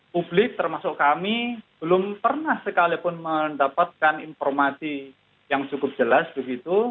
publik termasuk kami belum pernah sekalipun mendapatkan informasi yang cukup jelas begitu